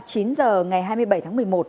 chín h ngày hai mươi bảy tháng một mươi một